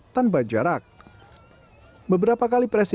pembeli beli pegang gagal arissa